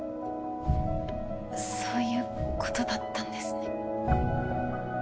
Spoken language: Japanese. そういうことだったんですね。